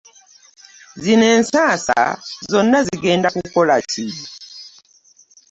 Zino ensansa zona zigenda kukola ki?